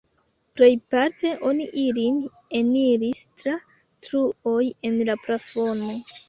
Plejparte oni ilin eniris tra truoj en la plafono.